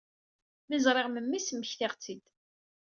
Mi ẓriɣ memmi-s, mmektiɣ-tt-id.